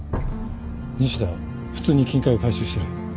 西田普通に金塊を回収してる。